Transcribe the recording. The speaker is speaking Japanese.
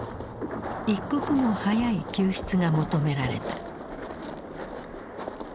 一刻も早い救出が求められた。